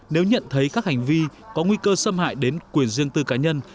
nếu nhận thấy các hành vi có nguy cơ xâm hại đến quyền riêng tư cá nhân